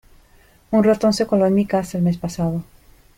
Un ratón se coló en mi casa el mes pasado.